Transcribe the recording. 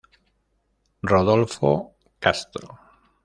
Rodolfo Castro.